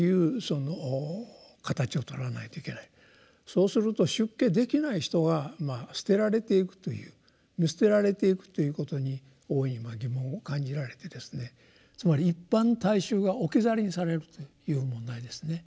そうすると出家できない人は捨てられていくという見捨てられていくということに大いに疑問を感じられてですねつまり一般大衆が置き去りにされるという問題ですね。